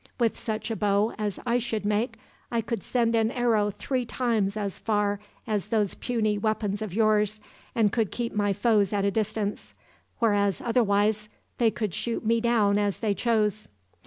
With such a bow as I should make, I could send an arrow three times as far as those puny weapons of yours, and could keep my foes at a distance; whereas, otherwise, they could shoot me down as they chose."